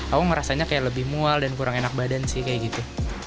aku merasanya kayak lebih mual dan kurang enak badan sih kayak gitu